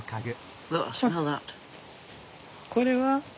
これは？